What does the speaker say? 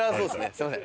すいません。